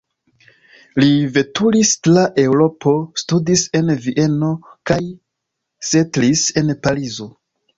Li veturis tra Eŭropo, studis en Vieno kaj setlis en Parizo.